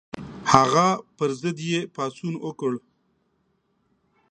هغه پر ضد یې پاڅون وکړ.